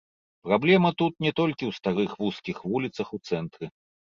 Праблема тут не толькі ў старых вузкіх вуліцах у цэнтры.